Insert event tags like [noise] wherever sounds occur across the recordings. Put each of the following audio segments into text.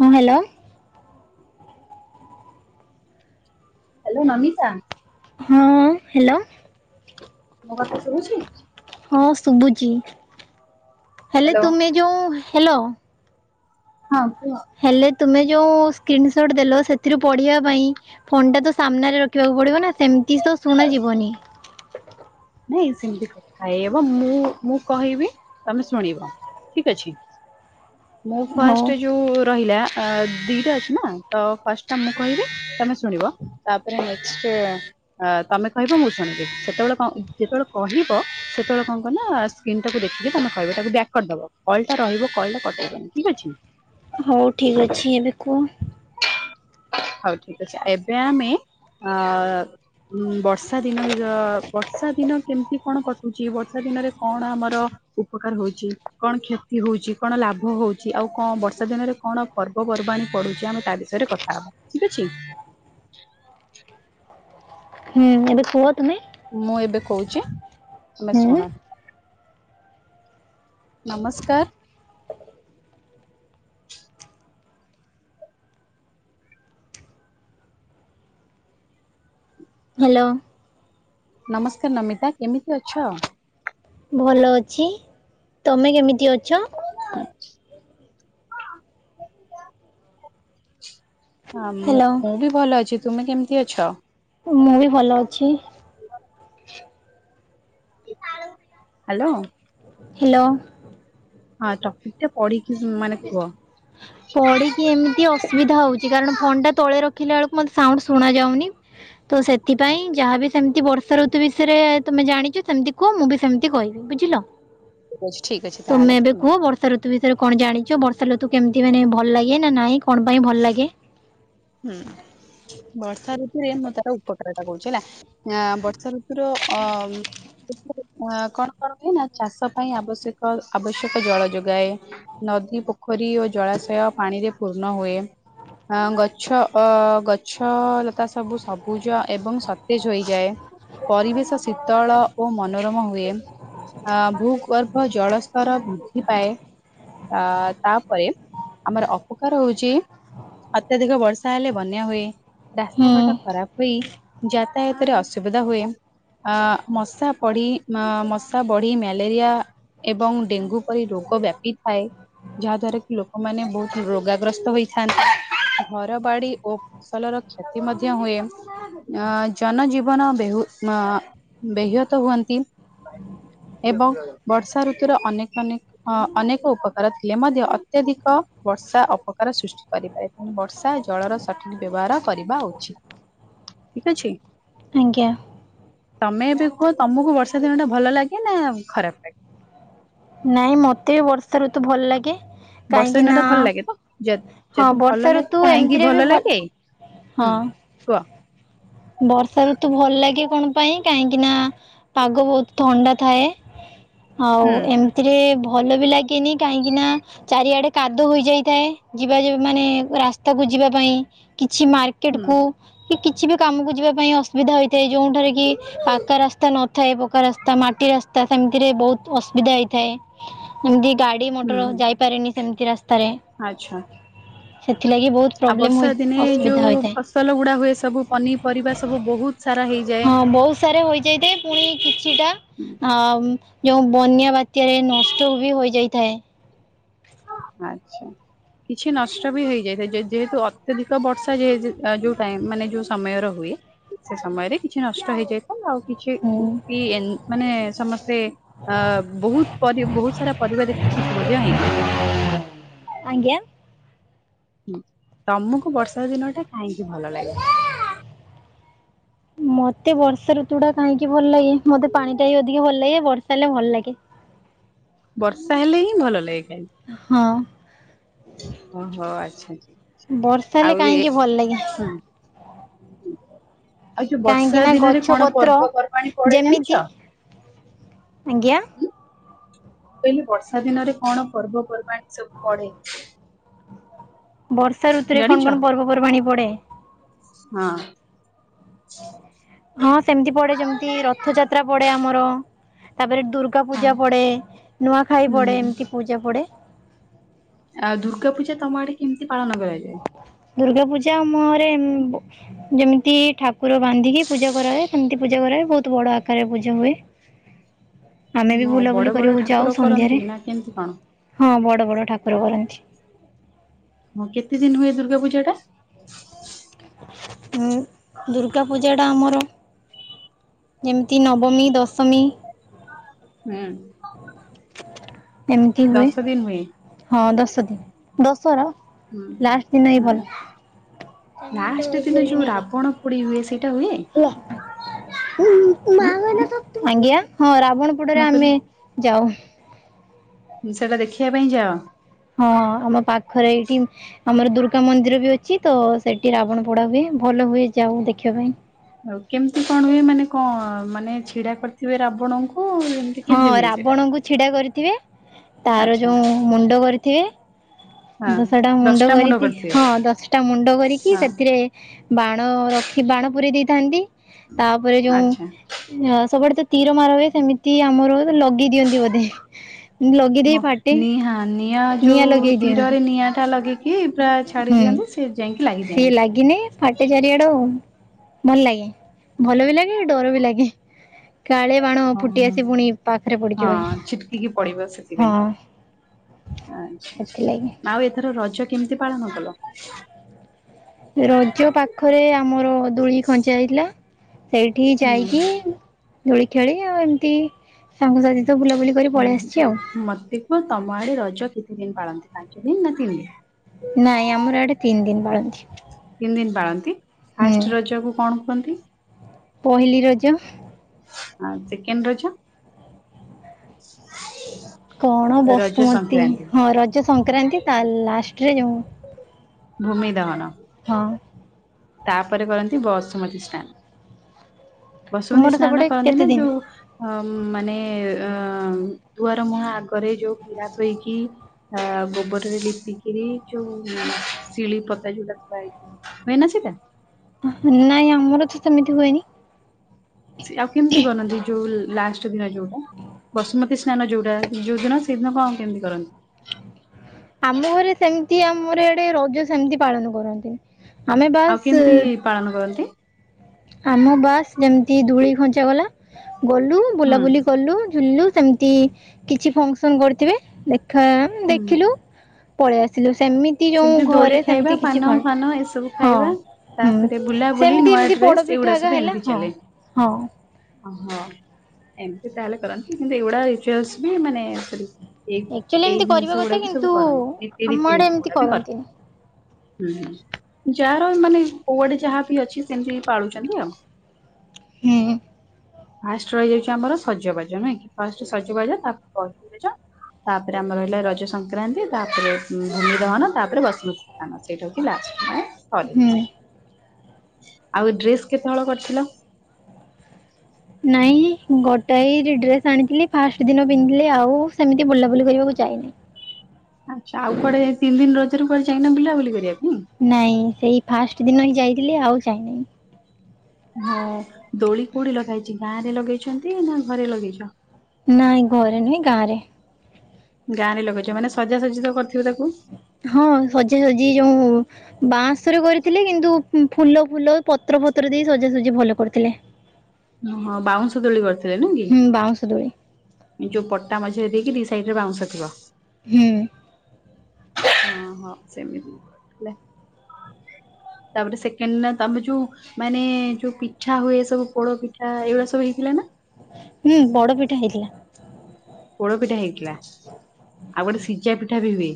ହଁ hello. Hello Namita ହଁ hello. ମୋ କଥା ଶୁଭୁଛି। ହଁ ଶୁଭୁଛି ହେଲେ ହ୍ୟାଲୋ। ତୁମେ ଯୋଉ ହେଲୋ। ହଁ କୁହ? ହ୍ୟାଲୋ ତୁମେ ଯେଉଁ ସ୍କ୍ରିନସଟ୍ ଦେଲ ସେଥିରୁ ପଢ଼ିବା ପାଇଁ ଫୋନ ଟା ତ ସାମ୍ନାରେ ରଖିବାକୁ ପଡିବ ନା ସେମିତି ତ ଶୁଣାଯିବନି। ନାଇଁ ସେମିତି କଥା ହେଇହବ ମୁଁ ମୁଁ କହିବି ତମେ ଶୁଣିବ ଠିକ୍ ଅଛି। ମୁଁ ହଉ ଫାଷ୍ଟ ଯୋଉ ରହିଲା ଆ ଦିଟା ଅଛି ନା ତ ଫାଷ୍ଟ ଟା ମୁଁ କହିବି ତମେ ଶୁଣିବ ତାପରେ ନେକ୍ସଟ୍ ଅ ତମେ କହିବ ମୁଁ ଶୁଣିବି ସେତେବେଳେ କଅ ଯେତେବେଳେ କହିବ ସେତେବେଳେ କଣ କହ ନା ସ୍କ୍ରିିନ ଟାକୁ ଦେଖିକି ତମେ କହିବ ତାକୁ ବ୍ୟାକ୍ କରିଦେବ। କଲ୍ ଟା ରହିବ କଲ୍ ଟା କଟେଇବନି ଠିକ୍ ଅଛି। ହଉ ଠିକ୍ ଅଛି ଏବେ କୁହ? ହଉ ଠିକ୍ ଅଛି ଏବେ ଆମେ ଅ ବର୍ଷା ଦିନ ବି ଯ ବର୍ଷା ଦିନ କେମିତି କଣ କଟୁଛି ବର୍ଷା ଦିନରେ କଣ ଆମର ଉପକାର ହଉଛି କଣ କ୍ଷତି ହଉଛି କଣ ଲାଭ ହଉଛି ଆଉ କଣ ବର୍ଷା ଦିନରେ କଣ ପର୍ବପର୍ବାଣୀ ପଢୁଛି ଆମେ ତା ବିଷୟରେ କଥା ହବା ଠିକ୍ ଅଛି। ହୁଁ ଏବେ କୁହ ତୁମେ। ମୁଁ ଏବେ କହୁଛି ତୁମେ ହୁଁ ଶୁଣ। ନମସ୍କାର। ହାଲୋ। ନମସ୍କାର ନମିତା କେମିତି ଅଛ? ଭଲ ଅଛି ତମେ କେମିତି ଅଛ? [unintelligible] ହଁ ମୁ ମୁଁ ହ୍ୟାଲୋ ବି ଭଲ ଅଛି ତୁମେ କେମିତି ଅଛ? ମୁଁ ବି ଭଲ ଅଛି। ହାଲୋ। ହ୍ୟାଲୋ। ହଁ ଟପିକ ଟା ପଢି କି ମାନେ କୁହ? କି ଏମିତି ଅସୁବିଧା ହେଉଛି କାରଣ ଫୋନ୍ଟା ତଳେ ରଖିଲା ବେଳକୁ ମୋତେ ସାଉଣ୍ଡ ଶୁଣାାଯାଉନି? ତ ସେଥିପାଇଁ ଯାହାବି ସେମିତି ବର୍ଷା ଋତୁ ବିଷୟରେ ତୁମେ ଜାଣିଛ ସେମିତି କୁହ ମୁଁ ବି ସେମିତି କହିବି ବୁଝିଲ ଠିକ ଅଛି ଠିକ ଅଛି ତାହେଲେ ତମେ ଏବେ କୁହ ହୁଁ ବର୍ଷା ଋତୁ ବିଷୟରେ କଣ ଜାଣିଛ ବର୍ଷା ଋତୁ କେମିତି ମାନେ ଭଲ ଲାଗେ ନା ନାଇଁ କଣ ପାଇଁ ଭଲ ଲାଗେ ହୁଁ ବର୍ଷା ଋତୁରେ ମୁଁ ତଟା ଉପକାରତା କହୁଛି ହେଲା ବର୍ଷା ଋତୁ ଆର ଅ ଏଥିରେ ଅ କଣ କରିବେ ନା ଚାଷ ପାଇଁ ଆବଶ୍ୟକ ଆବଶ୍ୟକ ଜଳ ଯୋଗାଏ ନଦୀ ପୋଖରୀ ଓ ଜଳାଶୟ ପାଣିରେ ପୂର୍ଣ୍ଣ ହୁଏ ଗଛ ଗଛ ଅ ଗଛ ଲତା ସବୁ ସବୁଜ ଏବଂ ସତେଜ ହୋଇଯାଏ? ପରିବେଶ ଶୀତଳ ଓ ମନୋରମ ହୁଏ ଅ ଭୂଗର୍ଭ ଜଳସ୍ତର ବୃଦ୍ଧି ପାଏ ଅ ତାପରେ ଆମର ଅପକାର ହଉଛି ଅତ୍ୟଧିକ ବର୍ଷ ବର୍ଷା ହେଲେ ବନ୍ୟା ହୁଏ ହୁଁ ରାସ୍ତାଘାଟ ଖରାପ ହୁଏ ଯାତାୟାତରେ ଅସୁବିଧା ହୁଏ ଅ ମଶା ପଢଡ଼ି ମଶା ବଢ଼ି ମ୍ୟାଲେରିଆ ଏବଂ ଡେଙ୍ଗୁ ପରି ରୋଗ ବ୍ୟାପିଥାଏ ଯାହା ଦ୍ଵାରା କି ଲୋକମାନେ ବହୁତ ରୋଗାଗ୍ରସ୍ତ ହେଇଥାନ୍ତି ଘ [unintelligible] ଘର ବାଡି ଓ ଫସଲର କ୍ଷତି ମଧ୍ୟ ହୁଏ। ଅ ଜନଜୀବନ ବହୁ ବହତ ହୁଅନ୍ତି। ଏବଂ ବର୍ଷା ଋତୁର ଅନେକ ଅନେକ। ହଁ ଅନେକ ଉପକାର ଥିଲେ ମଧ୍ୟ ଅତ୍ୟଧିକ ବର୍ଷା ଅପକାର ସୃଷ୍ଟି କରିପାରେ ତେଣୁ ବର୍ଷା ଜଳର ସଠିକ ବ୍ୟବହାର କରିବା ଉଚିତ ଠିକ ଅଛି। ଆଜ୍ଞା। ତମେ ଏବେ କୁହ ତମକୁ ବର୍ଷା ଦିନ ଟା ଭଲ ଲାଗେ ନା ଖରାପ ଲାଗେ। ନାଇଁ ମୋତେ ବି ବର୍ଷା ଋତୁ ଭଲ ଲାଗେ। ବର୍ଷା କାହିଁକି ଦିନ ନା ଟା ଭଲ ଲାଗେ ତ ଯ- ହଁ ଯଦି ଭଲ ବର୍ଷା ଲାଗେ ଋତୁ କାହିଁକି ଏମିତିରେ ବି ଭଲ ଲାଗେ ହଁ। ହୁଁ କୁହ ବର୍ଷା ଋତୁ ଭଲ ଲାଗେ କଣ ପାଇଁ କାହିଁକି ନା ପାଗ ବହୁତ ଥଣ୍ଡା ଥାଏ। ହଉ ହୁଁ ଏମିତିରେ ଭଲ ବି ଲାଗେନି କାହିଁକି ନା। ଚାରିଆଡେ କାଦୁ ହୋଇଯାଇଥାଏ ଯିବା ମାନେ ରାସ୍ତାକୁ ଯିବା ପାଇଁ କିଛି ମକ ମାର୍କେଟ ହୁଁ କୁ କିଛି ବି କାମକୁ ଯିବା ପାଇଁ ଅସୁବିଧା ହୋଇଥାଏ ଯୋଉଠାରେ କି ପାକା ରାସ୍ତା ନ ଥାଏ ପକା ରାସ୍ତା ମାଟି ରାସ୍ତା ସେମିତିରେ ବହୁତ ଅସୁବିଧା ହେଇଥାଏ। ଏମତି ଗାଡି ମଟର ହୁଁ ଯାଇପାରେନି ସେମତି ରାସ୍ତାରେ। ଆଚ୍ଛା। ସେଥିଲାଗି ବହୁତ। ଆଉ ପ୍ରୋବ୍ଲେମ ବର୍ଷା ହୋଇ ଦିନେ ଅସୁବିଧା ଯୋଉ ହୋଇଥାଏ ଫସଲ ଗୁଡା ହୁଏ ସବୁ ପନିପରିବା ସବୁ ବହୁତ ସାରା ହେଇଯାଏ। ହଁ ବହୁତ ସାରା ହୋଇଯାଇଥାଏ ପୁଣି କିଛିଟା ହୁଁ, ଆ ଯୋଉ ବନ୍ୟା ବାତ୍ୟରେ ନଷ୍ଟ ବି ହୋଇଯାଇଥାଏ। ଆଚ୍ଛା। କିଛି ନଷ୍ଟ ବି ହେଇଯାଇଥାଏ ଯେହେତୁ ଅତ୍ୟଧିକ ବର୍ଷା ଯେ ଯୋଉ ଟାଇ ମାନେ ଯୋଉ ସମୟ ର ହୁଏ। ସେ ସମୟରେ କିଛି ନଷ୍ଟ ହେଇଯାଇଥାଏ ଆଉ ହୁଁ କିଛି ମାନେ ସମସ୍ତେ ଅ ବହୁତ ପ ବହୁତ ସାରା ପରିବା ଦେଖିକି ଖୁସି ମଧ୍ୟ ହେଇଥାଏ। ଆଜ୍ଞା। ହୁଁ ତମକୁ ବର୍ଷା ଦିନ ଟା କାହିଁକି ଭଲ ଲାଗେ। ମତେ ବର୍ଷା ଋତୁ ଟା କାହିଁକି ଭଲ ଲାଗେ ମତେ ପାଣି ଟା ବି ଅଧିକ ଭଲ ଲାଗେ ବର୍ଷା ହେଲେ ଭଲ ଲାଗେ। ବର୍ଷା ହେଲେ ହିଁ ଭଲ ଲାଗେ ଖା ହଁ। ଓହୋ ଆଚ୍ଛା ବର୍ଷା ହେଲେ ଆଉ ଏ କାହିଁକି ଭଲ ଲାଗେ? ହୁଁ ଆଉ ଯୋଉ ବର୍ଷା କାହିଁକି ନା ଦିନରେ ଗଛ କଣ ପତ୍ର ପର୍ବପର୍ବାଣୀ ପଡେ ଜାଣିଛ? ଯେମିତି ଆଜ୍ଞା। କହିଲେ ବର୍ଷା ଦିନରେ କଣ ପର୍ବପର୍ବାଣୀ ସବୁ ପଡେ। ବର୍ଷା ଋତୁରେ ଜାଣିଛ? କଣ କଣ ପର୍ବପର୍ବାଣି ପଡେ। ହଁ। [inaudible] ହଁ ସେମିତି ପଡେ ଯେମିତି ରଥଯାତ୍ରା ପଡେ ଆମର ତାପରେ ଦୁର୍ଗା ଦୁକା ହଁ ପୂଜା ପଡେ ନୂଆଖାଇ ପଡେ ହୁଁ। ଏମିତି ପୂଜା ପଡ଼େ। ଆ ଦୁର୍ଗା ପୂଜା ତମ ଆଡେ କେମିତି ପାଳନ କରାଯାଏ। ଦୁର୍ଗା ପୂଜା ମରେ ଘରେ ଯେମିତି ଠାକୁର ବାନ୍ଧିକି ପୂଜା କରାଏ ସେମିତି ପୂଜା କରାଏ ବହୁତ ବଡ ଆକାରରେ ପୂଜା ହୁଏ। ଆମେ ବି ମ ବଡ ବୁଲାବୁଲି ବଡ କରିବାକୁ ଯାଉ ଠାକୁର ସନ୍ଧ୍ୟାରେ। କରନ୍ତି ନା କେମିତି କଣ? ହଁ ବଡ ବଡ ଠାକୁର କରନ୍ତି। ହଁ କେତେ ଦିନ ହୁଏ ଦୁର୍ଗା ପୂଜା ଟା। ଦୁର୍ଗା ପୂଜାଟା ଆମର। ଯେମିତି ନବମୀ ଦଶମୀ। ହୁଁ। ଏମିତି ହୁଏ ଦଶ ଦିନ ହୁଏ ହଁ ଦଶ ଦିନ ଦଶର। ହୁଁ ଲାଷ୍ଟ ଦିନ ହିଁ ଭଲ। ହୁଁ। ଲାଷ୍ଟ ଦିନ ଯୋଉ, ରାବଣ ପୋଡି ହୁଏ। ସେଇଟା ହୁଏ। ହୁଁ ଆଜ୍ଞା, ହଁ ରାବଣ ପୋଡାରେ ମୁଁ ଆମେ କହିଲି ଯାଉ। ସେଇଟା ଦେଖିବା ପାଇଁ ଯାଅ। ହଁ, ଆମ ପାଖରେ ଏଇଠି ଆମର ଦୁର୍ଗା ମନ୍ଦିର ବି ଅଛି, ତ ସେଠି ରାବଣ ପୋଡା ହୁଏ। ଭଲ ହୁଏ, ଯାଉ ଦେଖିବା ପାଇଁ। ଆଉ, କେମିତି କଣ ହୁଏ? ମାନେ କଣ, ମାନେ ଛିଡା କରିଥିବେ ରାବଣଙ୍କୁ ହଁ, କେମିତି ହୁଏ ସେଇଟା? ରାବଣଙ୍କୁ ଛିଡା କରିଥିବେ, ତାର ଆଚ୍ଛା ଯୋଉ ମୁଣ୍ଡ କରିଥିବେ। ହଁ ଦଶଟା ମୁଣ୍ଡ କରିକି ହଁ, ଦଶଟା ମୁଣ୍ଡ କରିକି ହଁ ସେଥିରେ ବାଣ ରଖି ବାଣ ପୁରେଇ ଦେଇଥାନ୍ତି। ତା'ପରେ ଯୋଉଁ ଆଚ୍ଛା। ସବୁଆଡେ ତ ତୀର ମାରା ହୁଏ। ସେମିତି ଆମର ଲଗେଇ ଦିଅନ୍ତି, ବୋଧେ! ଲଗେଇ ହଁ, ଦେଇ ଫାଟେ ନିହାଁ ନିଆଁ ଯୋଉ ଲଗେଇ ଦିଅନ୍ତି ତୀରରେ ନିଆଁ ଟା ଲଗେଇ କି ପ୍ରା ଛାଡ଼ି ଦିଅନ୍ତି। ସେ ଯାଇକି ଲାଗିଯାଏ ନି କିନି ଫାଟେ ଚାରିଆଡୁ-ଉ। ଭଲ ଲାଗେଁ। ଭଲ ବି ଲାଗେ, ଡର ବି ଲାଗେ। କାଳେ ବାଣ ଫୁଟି ଓହୋ। ଆସି, ପୁଣି ପାଖରେ ହଁ ପଡିଯିବ କି? ହଁ। ଆଛା, ସେଥିଲାଗି ଆଉ ଏଥର ରଜ କେମିତି ପାଳନ କଲ? ରଜ ପାଖରେ ଆମର ଦୂଳି ଖଞ୍ଚା ହେଇଥିଲା। ସେଇଠି ହୁଁ ଯାଇକି, ଦୋଳି ଖେଳି ଆଉ ଏମତି ସାଙ୍ଗସାଥି ତ ବୁଲାବୁଲି କରି ହୁଁ ପଳେଇ ଆସିଛି ଆଉ। ମତେ ମ ତମ ଆଡେ ରଜ କେତେ ଦିନ ପାଳନ୍ତି, ପାଞ୍ଚ ଦିନ ନା ତିନି ଦିନ? ନାଇଁ, ଆମର ଆଡେ ତିନି ଦିନ୍ ପାଳନ୍ତି। ତିନି ଦିନ ପାଳନ୍ତି! ହୁଁ ଫାଷ୍ଟ ରଜକୁ କଣ କୁହନ୍ତି? ପହିଲି ରଜ। ଆଉ, ସେକେଣ୍ଡ ରଜ! କଣ ରଜ ବସୁମତୀ ସଂକ୍ରାନ୍ତି। ହଁ, ରଜ ସଂକ୍ରାନ୍ତି ତା ଲାଷ୍ଟରେ ଯଉ ଭୂମି ଦହନ। ହଁ। ତା'ପରେ କରନ୍ତି, ବସୁମତୀ ସ୍ନାନ୍। ବସୁମତୀ ତୁମର ସ୍ନାନ୍ନ ଟା ସେପଟେ କରନ୍ତି କେତେ ନା ଦିନ ଯୋଉ ହଁ ମାନେ-ଏ ଅଁ ଦୁଆର ମୁହଁ ଆଗରେ, ଯୋଉ ପିଢ଼ା ଥୋଇକି ହା ଗୋବରରେ ଲିପିକିରି, ଯୋଉ ଶିଳିପତା ଯୋଉଟା ଥୁଆ ହେଇଛି ନୁହେଁ ନା ସେଟା ନାଇଁ, ଆମର ତ ସେମିତି ହୁଏନି। ସେ ଆଉ କେମିତି କରନ୍ତି, ଯୋଉ ଲାଷ୍ଟ ଦିନ ଯୋଉଟା? ବସୁମତୀ ସ୍ନାନ ଯୋଉଟା, ଯୋଉ ଦିନ ସେଦିନ କଣ କେମିତି କରନ୍ତି? ଆମ ଘରେ ସେମିତି ଆମର ଇଆଡେ, ରଜ ସେମିତି ପାଳନ କରନ୍ତି। ଆଉ କେମିତି-ଇ ପାଳନ କରନ୍ତି? ଆମ ବାସ୍ ଯେମିତି, ଧୂଳି ଖଞ୍ଚ ଗଲା। ଗଲୁ ହୁଁ ବୁଲାବୁଲି କଲୁ, ଝୁଲଲୁ। ସେମ୍ ତି କିଛି ଫଙ୍କସନ୍ କରିଥିବେ। ଦେଖା, ହୁଁ ଦେଖିଲୁ ପଳେଇ ଆସିଲୁ। ସେମିତି ତି ଯୋଉଁ ସେମିତି ଦୋଳି ଘରେ ଖାଇବା ସେମିତି କିଛି, ପାନ ଫର୍ ଫାନ ଏସବୁ ହଁ ଖାଇବା ହୁଁ ତାପରେ ବୁଲାବୁଲି ସେମିତି, ନୂଆ ଏମିତି ଡ୍ରେସ ଏଗୁଡା ପିଠାଗା ସବୁ ହେଲା। ଏମିତି ହଁ, ଚାଲେ ହଁ। ଓହୋ! ଏମିତି ତାହେଲେ କରନ୍ତି। କିନ୍ତୁ ଏଗୁଡା ରିଚୁଆଲ୍ସ ବି ମାନେ କରି ଏଇ ଆକ୍ଚୁଆଲି ଏଇ ଏମିତି କରିବା ଜିନିଷ କଥା ଗୁଡା ବି କିନ୍ତୁ ସବୁ କରନ୍ତି। ଆମ ଆଡେ ରୀତିନୀତି ଏମିତି ଗୁଡା ବି କରନ୍ତି। କରନ୍ତିନି ହୁଁ, ହୁଁ, ଯାହାର ମାନେ କୁଆଡେ ଯାହା ବି ଅଛି, ସେମିତି ପାଳୁଛନ୍ତି ଆଉ। ହୁଁ। ଫାଷ୍ଟ ରହିଯାଉଛି, ଆମର ସଜବାଜ ନୁହେଁ କି? ଫାଷ୍ଟ ସଜବାଜ ତା'ପରେ ପହିଲି ରଜ ତା'ପରେ ଆମର ରହିଲା ରଜ ସଂକ୍ରାନ୍ତି। ତା'ପରେ ଭୂମିଦହନ, ତା'ପରେ ବସୁମତୀ ଆନ୍ ସେଇଟା କୁ ଲାଷ୍ଟ ନାଇଁ। ହୁଁ ଆଉ ଏ ଡ୍ରେସ୍ କେତେବେଳ କରିଥିଲ ନାଇଁ ଗୋଟାଏ ଡ୍ରେସ ଆଣିଥିଲି ଫାଷ୍ଟ ଦିନ ପିନ୍ଧିଥିଲି ଆଉ ସେମିତି ବୁଲାବୁଲି କରିବାକୁ ଯାଇନି ଆଚ୍ଛା ଆଉ କୁଆଡେ ତିନି ଦିନ ରଜ ର କୁଆଡେ ଯାଇନା ବୁଲା ବୁଲି କରିବା ପାଇଁ ନାଇଁ ସେଇ ଫାଷ୍ଟ ଦିନ ହିଁ ଯାଇଥିଲି ଆଉ ଯାଇନାହିଁ ହଁ ଦୋଳି କୋଉଠି ଲଗାହେଇଛି ଗାଁରେ ଲଗେଇଛନ୍ତି ନା ଘରେ ଲଗେଇଛ ନାଇଁ ଘରେ ନୁହେଁ ଗାଁ ରେ ଗାଁ ରେ ଲଗେଇଛିବ ମାନେ ସଜା ସଜି ତ କରିଥିବ ତାକୁ ହଁ ସଜା ସଜି ଯୋଉ ବାଁସରେ କରିଥିଲେ କିନ୍ତୁ ଫୁଲ ଫୁଲ ପତ୍ର ଫତ୍ର ଦେଇ ସଜାସଜି ଭଲ କରିଥିଲେ [inaudible] ଓହୋ ବାଉଁଶ ଦୋଳି କରିଥିଲେ ନୁହେଁ କି ହୁଁ ବାଉଁଶ ଦୋଳି ଯୋଉ ପଟା ମଝିରେ ଦେଇକି ଦି ସାଇଡ ରେ ବାଉଁଶ ଦିଅ ହୁଁ ହଁ ହଁ ସେମିତି ହେଲେ ତାପରେ ସେକେଣ୍ଡ ନା ତମେ ଯୋଉ ମାନେ ଯୋଉ ପିଠା ହୁଏ ସବୁ ପୋଡ ପିଠା ଆ ଏଇ ଗୁଡା ସବୁ ହେଇଥିଲା ନା ହୁଁ ବଡ ପିଠା ହେଇଥିଲା ପୋଡ ପିଠା ହେଇଥିଲା ଆଉ ଗୋଟେ ସିଝା ପିଠା ବି ହୁଏ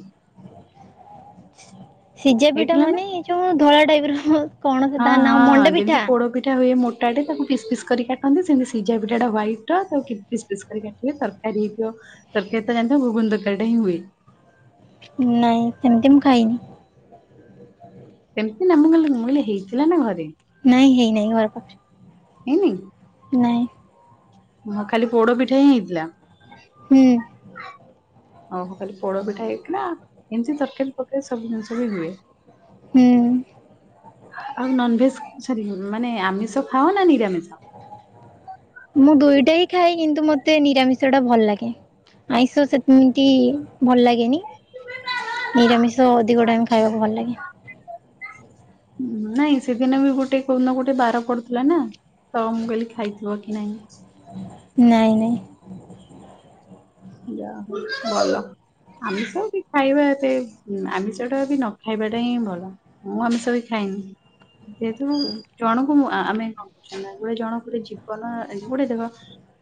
ସିଝା ପିଠା ହେଇଥିଲା ନା? ମାନେ ଯୋଉ ଧଳା ଟାଇପ ର କଣ ସେ ତା ହଁ ନା ହଁ ମଣ୍ଡା ପିଠା ଯେମିତି ପୋଡପିଠା ହୁଏ ମୋ [unintelligible] ତାକୁ ପିସ୍ ପିସ୍ କରି କାଟନ୍ତି ସେମିତି ସିଝା ପିଠା ହ୍ୱାଇଟ୍ ତାକୁ ପିସ୍ ପିସ୍ କରି କାଟିବେ ତରକାରି ହେଇଥିବ ତରକାରି ତ ଜାଣି ଥିବ ଘୁଗୁନି ତରକାରି ଟା ହି ହୁଏ ନାଇଁ ସେମିତି ମୁଁ ଖାଇନି ସେମିତି ନା ମୁ [unintelligible] ହେଇଥିଲା ନା ଘରେ ନାଇଁ ହେଇ ନାଇଁ ଘର ପାଖରେ ହେଇନି ନାଇଁ ହଁ ଖାଲି ପୋଡ ପିଠା ହିଁ ହେଇଥିଲା ହୁଁ [inaudible] ଆଉ ଖାଲି ପୋଡ ପିଠା ହେଇଥିଲା ଏମିତି ତରକାରୀ ତରକାରୀ ସବୁ ଜିନିଷ ବି ହୁଏ ହୁଁ ଆଉ ନନ୍ ଭେଜ ସରି ମାନେ ଆମିଷ ଖାଅ ନା ନିରାମିଷ ମୁଁ ଦୁଇଟା ହି ଖାଏ କିନ୍ତୁ ମୋତେ ନିରାମିଷ ଟା ଭଲ ଲାଗେ ଆଇଁଷ ସେମିତି ଭଲ ଲାଗେନି ନିରାମିଷ ଓ ଅଧିକ ଟାଇମ୍ ଆଚ୍ଛା। ଖାଇବାକୁ ଭଲ ଲାଗେ। ନାଇଁ ସେଦିନ ବି ଗୋଟେ କୋଉ ନା ଗୋଟେ ବାର ପଡୁଥିଲା ନା। ତ ମୁଁ କହିଲି ଖାଇଥିବ କି ନାଇଁ ନାଇଁ ନାଇଁ ଯଆ ହୋଉ ଭଲ ଆମିଷ ବି ଖାଇବା ଏତେ ଆମିଷ ଟା ବି ନ ଖାଇବାଟା ହିଁ ଭଲ ମୁଁ ଆମିଷ ବୀ ଖାଏନୀ ଯେହେତୁ ଜଣଙ୍କୁ ଆମେ କଣ କରହୁ ନା ଗୋଟେ ଜଣ ଗୋଟେ ଜୀବନ ଗୋଟେ ଦେଖ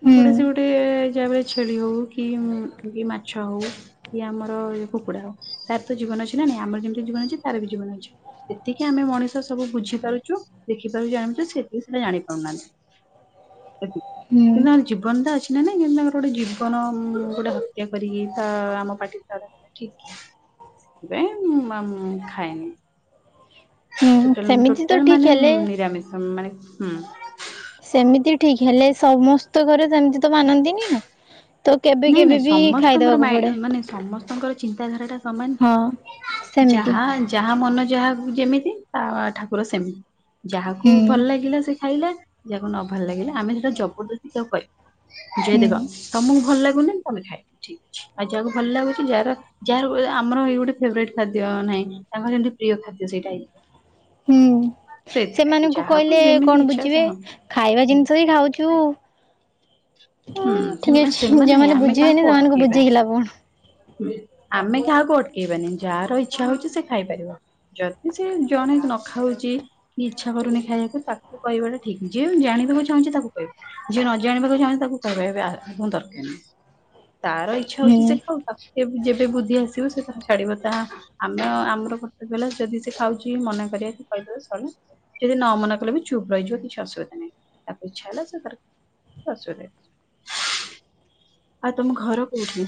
ହୁଁ ଗୋଟେ ସେ ଗୋଟେ ଯାହାବିହେଲେ ଛେଳି ହଉ କି ମାଛ ହଉ କିଏ ଆମର କୁକୁଡା ହଉ ତାର ତ ଜୀବନ ଅଛି ନା ନାଇ ଆମର ଯେମିତି ଜୀବନ ଅଛି ତାର ବି ଜୀବନ ଅଛି ସେତିକି ଆମେ ମଣିଷ ସବୁ ବୁଝିପାରୁଛୁ ଦେଖିପାରୁଛୁ ଜାଣିଚୁ ସେଏ ସୋ ଜାଣି ପାରୁନାହାନ୍ତି। ହୁଁ ତାର ଜୀବନଟା ଅଛି ନା ନାାଇ କେମିତି ତାଙ୍କର ଗୋଟେ ଜୀବନ ହଁ ଗୋଟେ ହତ୍ୟା କରିକି ତା ଆମ ପାଟି ସ୍ୱେଦ୍ୟ କରିବା ଠିକ ସେଦିପାଇ ମା ମୁ ଖାଇନି ହୁଁ ସେମିତି ତ ଟୋଟାଲ ଠିକ ମାନେ ହେଲେ ନିରାମିଷ ମାନେ ହୁଁ ସେମିତି ଠିକ ହେଲେ ସମସ୍ତ ଘରେ ସେମିତି ତ ମାନନ୍ତିନି ନା। ତ କେବେ ନାଇଁ କେବେ ନାଇଁ ବି ସମସ୍ତଙ୍କର ଖାଇଦବାକୁ ପଡେ ମାନେ ସମସ୍ତଙ୍କର ଚିନ୍ତାଧାରା ଟା ସମାନ କି ହଁ ସେମିତି ଯାହା ଯାହା ମନ ଯାହାକୁ ଯେମିତି ତା ଠାକୁର ସେମିତି ହୁଁ ଯାହାକୁ ଭଲ ଲାଗିଲା ସେ ଖାଇ ଯାହାକୁ ନ ଭଲ ଲାଗିଲା ଆମେ ସେଟା ଜବରଦସ୍ତି ତ କରିବାନି ଯିଏ ହୁଁ ଦେଖ ତମକୁ ଭଲ ଲାଗିଲା ୁ ତମେ ଖାଇବ ଠିକ୍ ଅଛି ଆଉ ଯାହା ଭଲ ଲାଗୁଛି ଯାହାର ଯାହାର ଆମର ଏଇ ଗୋଟେ ଫେବରେଟ ଖାଦ୍ୟ ନାହିଁ ତାଙ୍କର ଯେମତି ପ୍ରିୟ ଖାଦ୍ୟ ସେଇଟାଁ ହେଇଥିବ ହୁଁ ସେଇଥିପାଇଁ ସେମାନଙ୍କୁ ଯାହାକୁ କହିଲେ ଯେମିତି କଣ ଇଚ୍ଛା ବୁଝିବେ ତାହା ହୁଁ ଖାଇବା ଜିନିଷ ହି ଖାଉଛୁ ହୁଁ ଠିକ ସେମାନେ ଅଛି ସେମାନେ ନାହିଁ ଯଉମାନେ ଆମେ କାହାକୁ ବୁଝିବେନି ସେମାନଙ୍କୁ ଅଟକେଇବାନି ବୁଝେଇବା ଲାଭ କଣ ଆମେ କାହାକୁ ଅଟକେଇବାନି ଯାହାର ଇଚ୍ଛା ହଉଛି ସେ ଖାଇପାରିବ। ଯଦି ସେ ଜଣେ ନ ଖାଉଛି ଇଚ୍ଛା କରୁନି ଖାଇବାକୁ ତାକୁ କହିବାଟା ଠିକ ଯେ ଜାଣିବାକୁ ଚାହୁଁଛି ତାକୁ କହିବୁ ଯିଏ ନ ଜାଣିବାକୁ ଚାହୁଁ ତାକୁ [inaudible] ଦରକାର ନାହିଁ ତାର ଇଚ୍ଛା ହଉଛି ସେ ହୁଁ ଖାଉ ତାକୁ ଏ ଯେବେ ବୁଦ୍ଧି ଆସିବୁ ସେ ତାର ଛାଡିବ ତା ଆମେ ଆମର ପ୍ରତେକଲା ଯଦି ସେ ଖାଉଛି ମନା କରିବା କି କହିଦେବା ଶଇଲା ଯଦି ନ ମନା କଲେ ବି ଚୁପ୍ ରହିଯିବ କିଛି ଅସୁବିଧା ନାହିଁ ତାକୁ ଇଛା ହେଲା ସିଏ ତାର ଅସୁବିଧା ନା ଆଉ ତମ ଘର କୋଉଠି?